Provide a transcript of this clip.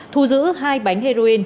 thu giữ hai bánh heroin